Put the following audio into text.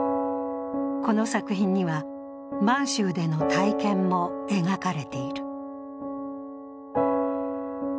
この作品には、満州での体験も描かれている。